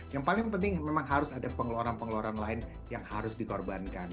yang paling penting memang harus ada pengeluaran pengeluaran lain yang harus dikorbankan